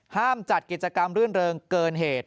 จัดกิจกรรมรื่นเริงเกินเหตุ